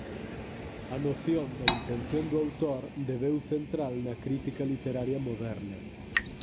A noción da "intención do autor" deveu central na crítica literaria moderna.